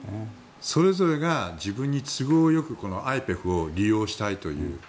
それぞれが自分に都合良くＩＰＥＦを利用したいという。